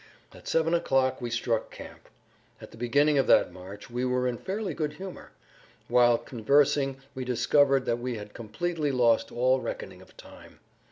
At seven o'clock we struck camp. At the beginning of that march we were in fairly good humor. Whilst conversing we discovered that we had completely lost all reckoning of time.